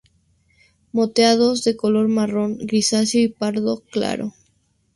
Moteados de color marrón grisáceo o pardo claro.